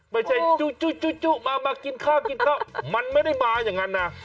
ไม่ใช่จู่มากินข้าวกินข้าวมันไม่ได้มาอย่างนั้นนะ